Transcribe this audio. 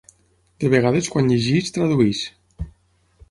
De vegades quan llegeix tradueix.